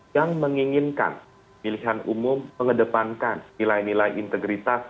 yang menginginkan pilihan umum mengedepankan nilai nilai integritas